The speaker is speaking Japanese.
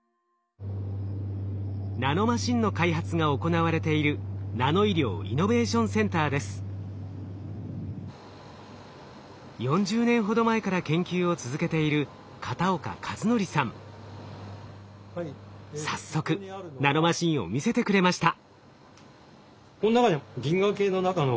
ナノマシンの開発が行われている４０年ほど前から研究を続けている早速ナノマシンを見せてくれました。